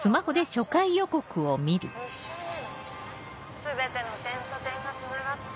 全ての点と点がつながった。